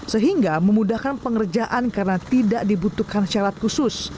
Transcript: sehingga memudahkan pengerjaan karena tidak dibutuhkan syarat khusus